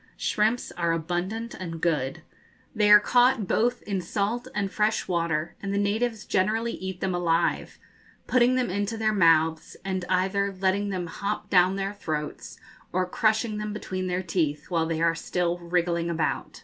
Shrimps are abundant and good. They are caught both in salt and fresh water, and the natives generally eat them alive, putting them into their mouths, ana either letting them hop down their throats, or crushing them between their teeth while they are still wriggling about.